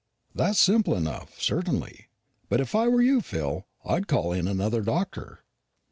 "That's simple enough, certainly. But if I were you, Phil, I'd call in another doctor."